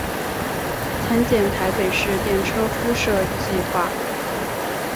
参见台北市电车敷设计画。